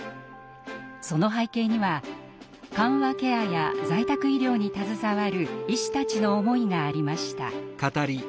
その背景には緩和ケアや在宅医療に携わる医師たちの思いがありました。